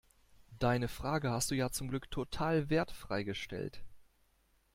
Deine Frage hast du ja zum Glück total wertfrei gestellt.